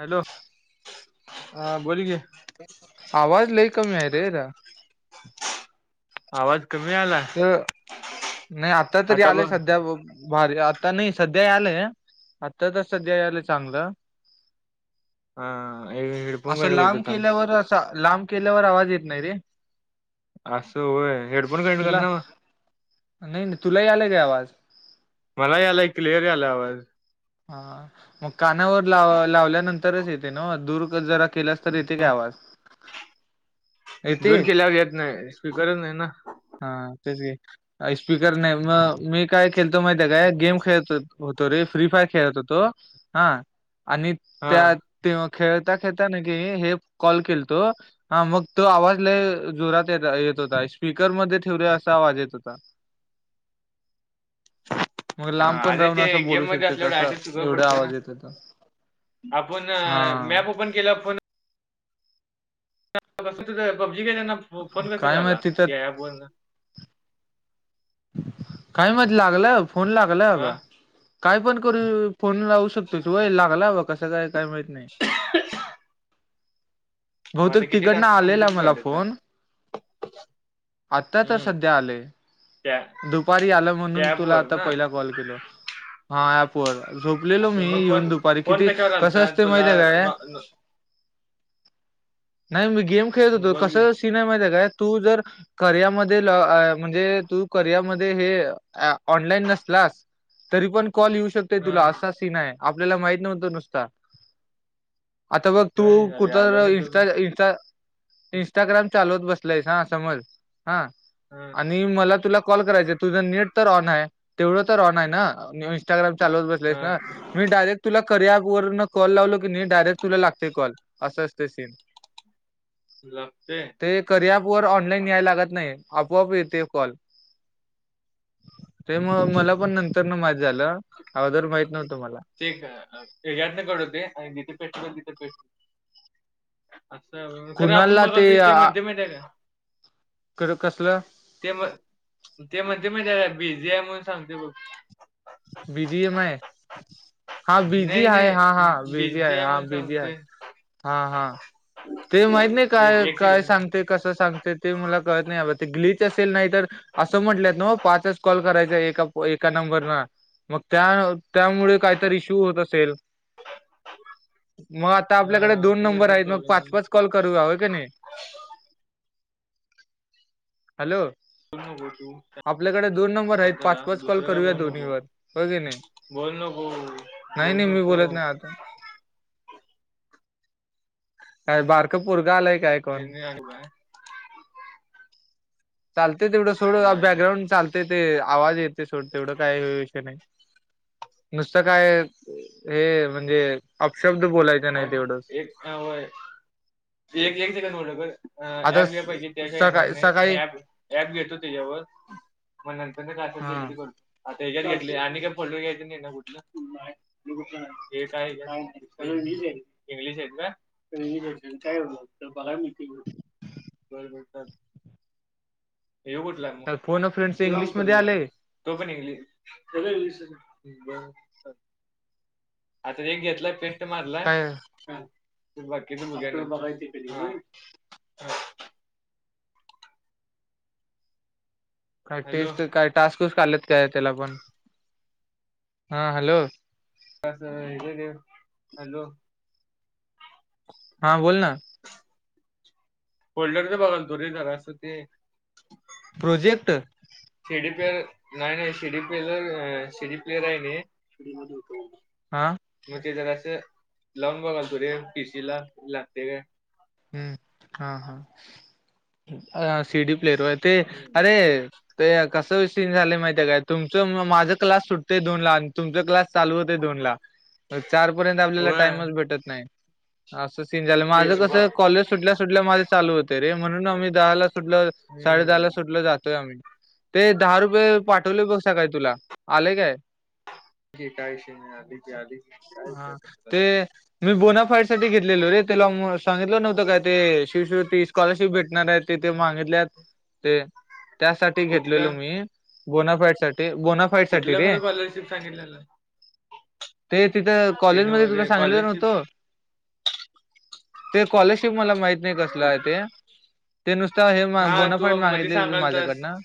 Hello हा बोल की. आवाज लई कमी आहे रे. आवाज कमी यालय. तर नाही आता तरी आलेय सध्या बघ. भारी. आता नाही. सध्या आलंय आता तरच सध्या यालंय चांगलं. हा एक हेडफोन असं कनेक्ट करतो लांब थांब केल्यावर असा लांब केल्यावर आवाज येत नाही रे. अस होय. हेड तुला नाही तुला यायलय काय आवाज? मला यायलय क्लिअर यायलाय आवाज. हा मग कानावर ला लावल्यानंतरच येते नव्ह. दूर जरा केल्यास आता तर येतंय काय आवाज? दूर येते केल्यावर येत नाही. स्पकरच नाही ना. हा तेच की. स्पीकर नाही. मग मी काय केलतो माहिती आहे काय? गेम खेळत होतो रे फ्री फायर खेळत होतो. हा आणि हा त्या ते खेळता खेळता न की हे कॉल केलतो. हा मग तो आवाज लई जोरात य येत होता. स्पी कर मध्ये ठेवली असा आवाज येत होता. मग लांब पण अरे राहुन ते असं बोलु गेम मध्ये शकता असल्यावर असा डायरेक्ट स्पीकर एवढा पडतंय ना आवाज येत होता. आपण हा मॅप ओपन केला फोन [inaudible] पबजी खेळताना फोन कसा काय आला माहित तिथं या अँप वरन? काही माहित लागल फोन लागला हा बा काय पण करू फोन लावु शकतो व्हय लागला बा कसं काय काही माहीत नाही [inaudible] मग आता बहुतेक किती तिकडनं टास्क कम्प्लेंट आलेला किती मला झालेत फोन टास्क? आता तर हम्म सध्या आलेय. त्या दुपारी आलं म्हणुन त्या ऍप तुला वर आता ना पहिला कॉल केलो. हा अँप वर झोपलेलो मी असं मग येऊन फोन दुपारी फोन किती कशावर कसं आलता असते तुला माहिते काय? न नाही मी गेम खेळत न होतो. बोल की कसं सिन माहिती आहे काय? तु जर कार्यामध्ये ल म्हणजे तु कार्यामध्ये हे ऑनलाईन नसलास तरी पण कॉल येऊ शकते हा तुला असा सीन आहे आपल्याला माहित नव्हतो नुसता आता बघ तू नाही अरे कुत आला नाही तो पण. इंस्टा इंस्टाग्राम चालवत बसलाय हा समज हा. हम्म. आणि मला तुला कॉल करायचं तुझं नीट तर ऑन आहे तेवढं तर ऑन आहे ना. इस्टाग्राम चालवत बसलोय ना हा मी डायरेक्ट तुला कार्या ॲप वरन कॉल लावलो की कणी डायरेक्ट तुला लागते कॉल. असं असते सीन. लागते. ते कार्या ॲप ऑनलाईन यायला लागत नाही आपोआप येते कॉल ते मग मला पण नंतर न माहीत झालं अगोदर माहित नव्हतं मला. ते यातन कते आणि तिथे पेट तिथे पेट [unintelligible] असं खरं आपण कुणालला ते बघाल इथे मध्यम आहे का क कसलं ते मग ते म्हणते मग त्याला बिझी आहे म्हणुन सांगते बघ बिझी आहे माय हा बिझी नाही आहे हा हा नाही बिझी आहे हा म्हणून बिझी आहे सांगते हा हा ते माहित नाही एक काय एक काय सेकंड सांगते कसं सांगते ते मला कळत नाही ते ग्लीच असेल नाही तर असं म्हंटल्यात ना पाचच कॉल करायचा एका एका नंबरन मग त्या त्यामुळे काहीतरी इश्यु होत असेल मग आता आपल्याकडे दोन नंबर आहेत मग प्रॉब्लेम पाच आहे पाच कॉल करू हो की नाही हॅलो हो [inaudible] आपल्याकडे दोन नंबर आहेत पाच -पाच कॉल करूया बोल दोन्ही नको वर हो की नाही बोल नको नाही बोल नाही मी नको बोलत नाही का बारक पोरगं आलाय काय कोण त्यांनी आ काय [unintelligible] चालते तेवढं सोड नाही नाही. बॅकग्राऊंड चालते ते आवाज येते सोड तेवढं काय नाही नुसतं काय हे म्हणजे अपशब्द बोलायचा नाही तेवढंच ह होय एक एक जग आता ॲप घे पै की त्या काही येणार सकाळी नाही सकाळी मी ऍप ऍप घेतो त्याच्यावर मग नंतर का करतो हा आता हेच्यात घेतले आणि काय पट घ्यायच नाही ना कुठलं हे काय [inaudible] हीच इंग्लिश आहेत का [inaudible] बर बर हे कुठला फोन फ्रेंडस इंग्लिशमध्ये आले कट तोपन [inaudible] आता एक घेतलाय पेंट मारलाय काय बाकी मुग [inaudible] काय हॅलो टेस्ट काय टास्कच काढलेत काय त्याला पण हा हॅलो बस हे हॅलो [inaudible] हां बोल ना फल्डर तर बघा तो झालं असं ते प्रोजेक्ट शिडी प्लेयर नाही नाही शिडी प्लेर सिडी प्लेयर आहे हां मग ते जरा असं लावून बघाल तु रे पीसी ला लागते का हम्म हा हा अ सिडी प्लेयर होय ते अरे ते कसं सीन झालय माहिती आहे काय तुमचं माझं क्लास सुटतोय दोन ला तुमचा क्लास - चालू होतय दोन ला ब चार पर्यंत आपल्याला होय टाइमच भेटत नाही असं सीन झालं माझं कसं कॉलेज सुटल्या सुटल्या माझे चालु होते रे म्हणुन आम्ही दहा ला सुटलं साडे दहा ला हम्म सुटलं जातोय आम्ही ते दहा रुपये पाठवले बघ सकाळी तुला आलय काय फो काय विषय नाही आली जी आली काय विषय हा ते आता मी बोनाफाईड साठी घेतलेलो रे [unintelligible] त्याला सांगितलं नव्हतं काय ते शिषुवती स्कॉलरशिप भेटणार आहेत ते ते मागितले आहेत ते त्यासाठी घेतलेलो कुठलं मी बोनाफॅट साठी बोनाफ कुठलं खरं स्कॉलरशिप सांगितलेलं ते तिथं ते कॉलेजमध्ये नव्ह तुला रे सांगलेल स्कॉलरशिप नव्हतं ते स्कॉलरशिप मला माहित नाही कस काय ते ते नुसत हे हा बोनाफाईट तू मध्ये मागितलेल सांगालतास माझ्याकडनं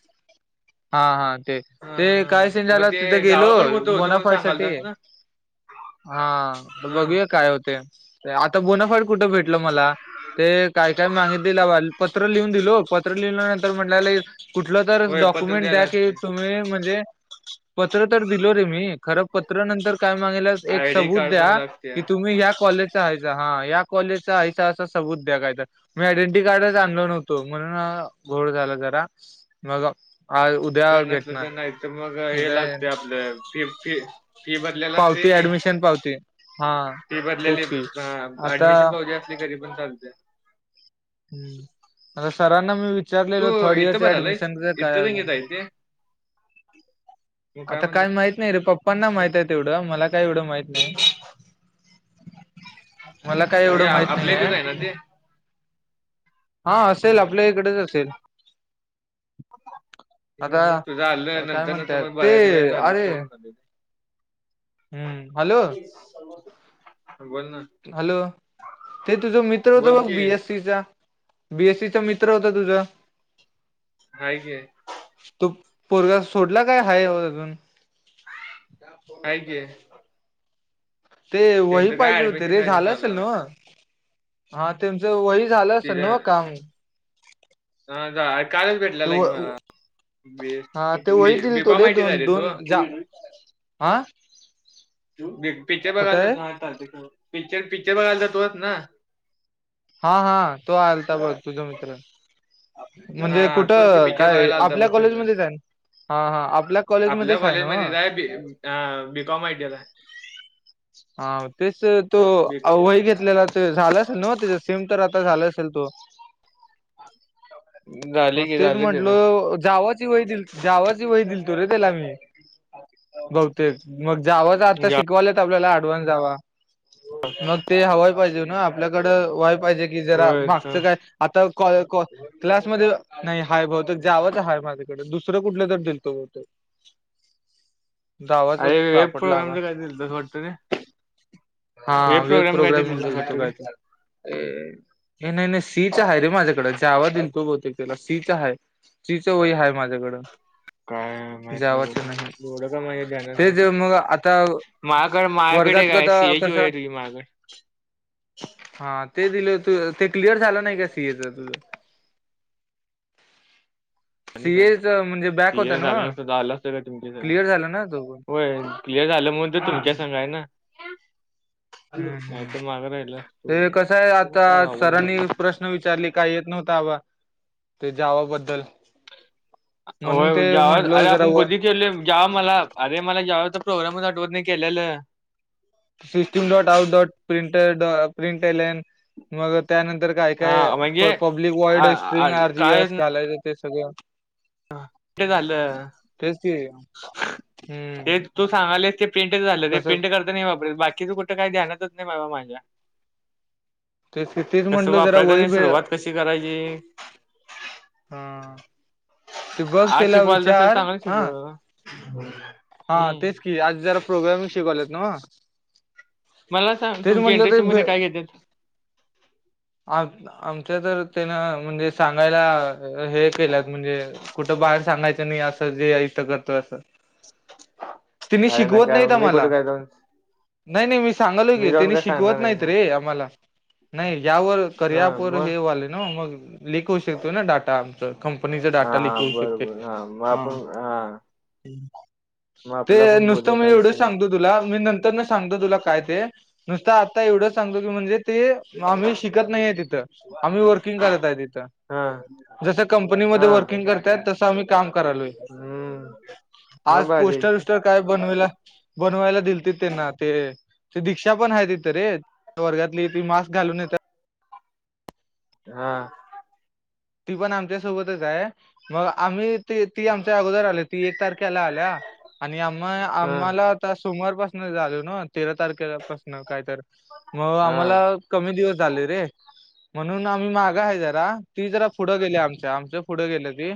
हा हा ते ते काय अं, सेन झाला मग ते तिथे गेलो गावाकडे कुठं होतं म्हणून बोनाफाईट साठी सांगालतास ना हा हा बघूया काय होतय आता बोनाफाईड कुठे भेट - म्हटलं मला ते काय काय मागित दि पत्र लिहून दिलो पत्र लिहिल्या नंतर म्हटलं कुठलं तर होय पत्र डॉक्युमेंट द्यायला द्या की लागते तुम्ही म्हणजे पत्र तर दिलो रे मी खर पत्र नंतर काय मागितलं एक आयडी सबूत कार्ड पण द्या लागते की तुम्ही ह्या कॉलेज हाय का हा ह्या कॉलेजचा हायसा असा सबूत द्या काय तर मी आयडेंटिटी कार्डच आणलो नव्हतो म्हणून घोळ झाला जरा मग आ [unintelligible] नाही तर मग हे लागतेय आपलं फी फी फी भरलेला असतय ती ऍडमिशन पावती हा फी भरलेली तेच की आता ऍडमिशन पावती असली तरी पण चालतय ह् आता सरांना मी तू विचारलेलो थर्ड इयर इथं च्या भरालायस ऍडमिशन च काय इथं गंगेत अजुन आहे ते मग आता काय म्हणले माहित नाही रे पप्पांना माहित आहे तेवढं मला काही एवढं माहित नाही मला काही म्हणजे एवढं माहित आपल्या इथेच नाहीयाय आहे ना ते हा असेल आपल्या इकडेच असेल मग तुझा आल आता काय नंतर ना म्हणतात समज ते भरायचं आल अरे तर म्हणालोय हम्म हॅलो बोल ना हॅलो ते तुझं मित्र होत बोल बघ की बी एस सी चा बी एस सी चा मित्र होता तुझं हाय की तू पोरगा सोडला काय हाय हो अजून हाय की ते वही त्यांचं काय पाहिजे होती ऍडमिशन रे काय झालं चालू असल आहे वाटतं न्हवं हा त्यांचं वही झालं असेल न्हव तिथं का हा कालच ते भेटलेला व की मला बी हा ते वही बी दिल बी कॉम आय टी झालाय तो आं तू पिक्चर बघायला आहे जातो [unintelligible] पिक्चर पिक्चर बघायला जातो [unintelligible] हा हा तो आलता बघ तुझा मित्र म्हणजे हा तोच की कुठं पिक्चर काय बघायला आलता आपल्या बघ सगळं कॉलेजमध्येच आहे ना हा हा आपल्या कॉलेजमध्येच हाय न्हवं अ बी कॉम आय टी आय लाय हा तेच ते तो वही घेतलेला ते झाल असेल नव्ह त्या सेम तर आता झालं असेल तो झाले की तेच झाले म्हंटल त्याचं जावाची वही दिल - जावाची वय दिलतो रे त्याला मी बहुतेक मग जावाचा आता शिक जा- शिकवाल्यात आपल्याला अडवान्स जावा मग ते हवाय पाहिजे ना आपल्याकड व्हाय पाहिजे की जरा होय का मागचं काय आता क क्लासमध्ये नाही हाय भवतेक जावंच हाय माझ्याकडे दुसरं कुठलं तर दिलतो भवतेक [inaudible] अरे वेब प्रोग्राम च काय दिलतास वाडत रे हा वेब काय ते प्रोग्राम दिलतंस दिलतो वाटतं रे काय तर हे हे नाही नाही सी. च आहे रे माझ्याकडे जावा दिल तो बहुतेक त्याला सी च आहे. तिचं वही आहे माझ्याकडं. काय माहित नाही बघ एवढं का माझ्या ध्यानात नाही. तेच मग आता मायाकड मायाकड वर्गात एक हाय कता सी ए ची वही कसं हाय तुझी मायाकड हा ते दिलं होत ते क्लिअर झालं नाही का सी ए च तुझं [inaudible] सी. आणि काय ए. च म्हणजे बॅक होता क्लिअर झालं नव्हं नसतं तर आलं असतं का तुमच्या संग क्लिअर झाला ना तो पण. होय क्लिअर झालं म्ह तर तुमच्या हम्म सांगाय ना. नाही हम्म तर मागं राहिला ते असतो त काय आवड नाही. विचारली काही येत नव्हता आबा ते जावाबद्दल. म्हणून ते म्हटल जरा व जा्याव मला अरे मला जा्याव तर प्रोग्रामच आठवत नाही केलेलं. System dot, out dot, printer ड प्रिंटलन मग त्यानंतर काय काय हा म्हणजे पब्लिक वाईड आ हटिंग आ आर. जी. एस. घालायचं ते सगळं. ह ते झालं तेच की हम्म ते तू सांगालेस ते प्रिंट झालं ते तसं प्रिंट करता नाही वापरल बाकीचं कुठ का ध्यानातच नाही बाबा माझ्या. तेच की तेच कस म्हटलं जरा वापरायचं वही आणि भे सुरुवात कशी करायची? ह. आज शिकवायला असेल चांगलं हा शिकवाला ना? हा तेच की आज जरा प्रोग्रामिंग शिकवलेत नव्हं? मला सांग तुमची एंटरशिप मध्ये काय घेतेत? आ आमच्या तर त्यान म्हणजे सांगायला हे केलात म्हणजे कुठं बाहेर सांगायचं नाही असं जे इथ करतो असं. तेनी अरे शिकवत नका नाही मी आम्हाला. कुठे काय जाऊन नाही नाही मी सांगलोय की मी जाऊन त्यांनी काय शिकवत सांगणार आहे नाहीत काय रे आम्हाला नाही. यावर हा करयाप वर मग हे वाले ना मग क होऊ शकतोय ना डाटा. कंपनीचा हा डाटा हा लिक होऊ शकतोय बरोबर मग हा. आपण मग ते आपला पण नुसतं बोलेल मी काही एवढंच विषय नाही. सांगतो तुला मी नंतर न सांगतो तुला काय ते नुसता आता एवढं सांगतो की म्हणजे ते शिकत नाहीय तिथं आम्ही वर्किंग करत आहे तिथं. हा जस कंपनीमध्ये हा वर्किंग करताय तसं आम्ही काम करालोय. हम्म आज मग भारी आहे पोस्टर की विस्टर काय बनवाला? बनवायला दिलतीत त्यांना ते ते दीक्षा पण आहे तिथं रे वर्गातली त मास्क घालून येत हा. ती पण आमच्या सोबतच आहे मग आम्ही त ती आमच्या अगोदर आल ती एक तारखेला आल्या. आणि आम हा आम्हाला आता सोमवारपासन झाल ना तेरा तारखे पाासन कायतर. मग हा आम्हाला कमी दिवस झाले रे म्हणून आम्ही मागा आहे जरा. ती जरा पुढं गेल्या आमच्या आमच्या पुढे गेल्या ती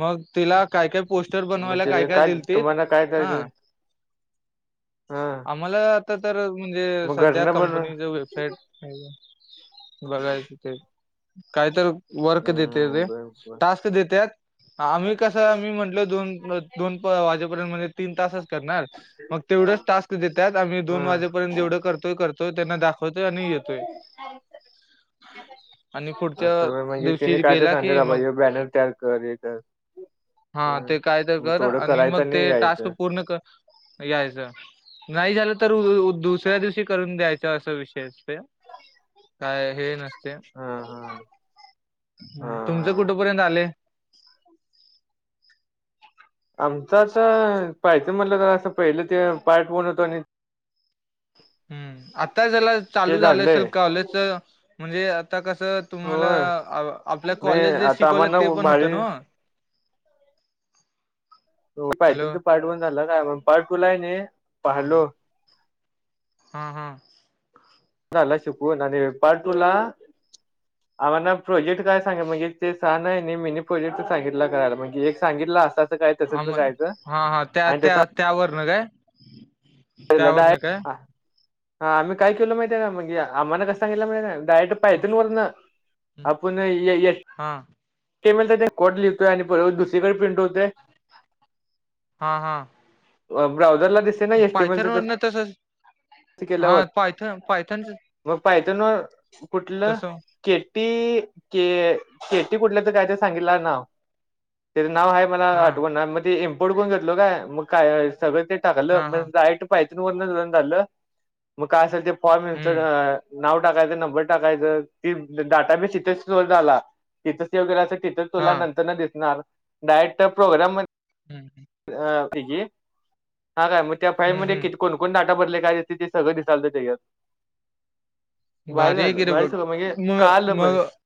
मग तिला काय काय पोस्टर मग बनवायला काय त्याला काय दिलतीत तुम्हाला काय काय हा. कर- हा. आम्हाला आता तर म्हणजे मग सध्या घरनं बनव कंपनीच वेबसाईट बघायच ते काय तर वर्क देते ते? हम्म बर बर टास्क देत्यात आम्ही कसं म्हंटल दोन दोन वाजे [inaudible] तीन तासच करणार मग तेवढेच टास्क देत्यात आम्ही दोन हा वाजेपर्यंत जेवढं करतोय करतो. तो त्यांना दाखवतोय आणि येतोय आणि पुढच्या असं होय म्हणजे तिने दिवशी काय तर गेला सांगत्यात की आबा मग हे बॅनर तयार कर तर. हा ते काय तर कर आणि मग ते टास्क पूर्ण कर यायचं नाही झालं तर दुसऱ्या दिवशी करून द्यायचं असं विषय असतं काय हे नसते हा हा हा तुमचं हा कुठंपर्यंत आले? आमच असं पाहिजे म्हटलं तर असं पहिलं ते पार्ट बनवतो आणि हम्म आता जला ते चालू झालं झालंय असेल कॉलेज तर म्हणजे आता कसं तुम्हाला होय आपल्या नाही कॉलेज जे आता शिकवलं आम्हाला ते पण होत भारी नव्हं? हो पाहिजे त तर पार्ट वन झालं कायण पार्ट टू ला आहे नाही हा पाहिलो. हा हा. ला शिकवून आणि पार्ट दोन ला आम्हा ना प्रोजेक्ट काय सांग म्हणजे ते सहा नाही मिनी प्रोजेक्ट सांगितला करायला म्हणजे एक सांगितला असतं आम हा हा त्या तसं त्या त्यावर न काय? पहिल्यांदा त्यावरनं काय हा आम्ही काय केलं माहितीय का मग आम्हाला कसं सागितलं केलं माहितय डायेक्ट हा पायथान वरंन हम्म. आपण हा एचटि यमेलचा कोड लिहतोय आणि दुसरीकडे प्रिंट होतोय हा हा ब्राऊझरला दिसत पायथन वरन तसंच हा केल्यावर पायथन पायथन मग पायथान ना कुठलं केटी के केटी कुठल्या तर काय तर सांगितलं नाव त्याच नाव आहे मला हा आठवण मग ते इम्पोर्ट करून घतलो काय मग काय सगळं ते टाकलं हा हा मग डायरेक्ट पायथान वरून रन झालं मग काय असेल ते फॉर्म हम्म नाव टाकायचं नंबर टाकायचं ती डाटा बेस इथेच स्लो झाला. तिथंच सेव करायचं तिथच हा तुला नंतर न दिसणार डायरेक्ट प्रोग्राम मधून हम्म अ हेजी काय मग त्या फाईल हम्म मध्ये किती हम्म. कोणकोण डाटा भरले काय ते सगळं दिसाल त्यात बाहेर भारी आहे की आलं रे बाहेर बघ सगळ म्हणजे का मग कळलं पण मग